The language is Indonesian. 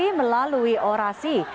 aksi melalui orasi